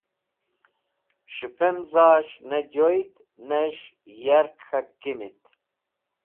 S̃hẽpem zas̃h ne joyd nes̃h yark k̃hak kimit.